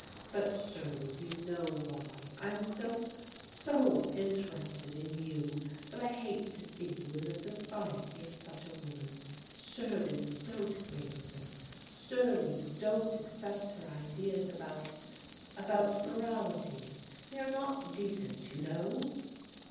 "But surely you know why. I'm so — so interested in you that I hate to see you in the society of such a woman. ?>>3Lt A^ 106 PRODIGAL DAUGHTERS you don't agree with her, surely you don't accept her ideas about — about morality. They are not decent, you know."